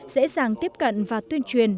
dễ dàng tiếp cận và tuyên truyền